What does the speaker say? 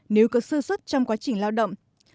nếu có sơ xuất trong quá trình lao động